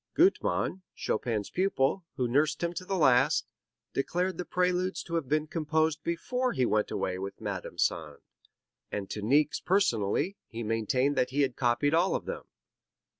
Gutmann, Chopin's pupil, who nursed him to the last, declared the Preludes to have been composed before he went away with Madame Sand, and to Niecks personally he maintained that he had copied all of them.